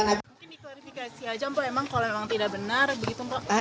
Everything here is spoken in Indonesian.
mungkin diklarifikasi aja mpo emang kalau memang tidak benar begitu mbah